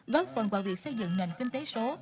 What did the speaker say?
góp phần vào việc xây dựng nền kinh tế số